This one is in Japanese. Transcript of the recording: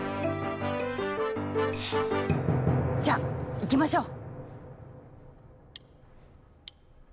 じゃいきましょう。